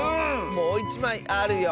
もういちまいあるよ！